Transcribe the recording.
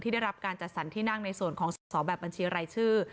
ได้รับการจัดสรรที่นั่งในส่วนของสอสอแบบบัญชีรายชื่อ